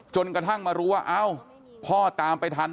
จนกระทั่งมารู้ว่าเอ้าพ่อตามไปทัน